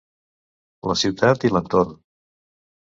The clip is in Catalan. La ciutat i l'entorn.